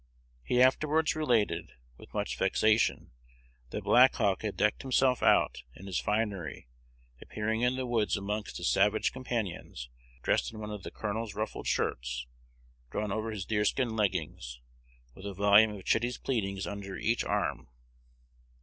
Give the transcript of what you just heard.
He afterwards related, with much vexation, that Black Hawk had decked himself out in his finery, appearing in the woods amongst his savage companions dressed in one of the colonel's ruffled shirts drawn over his deer skin leggings, with a volume of 'Chitty's Pleadings' under each arm."